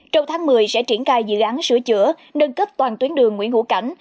trong tháng một mươi sẽ triển khai dự án sửa chữa nâng cấp toàn tuyến đường nguyễn hữu cảnh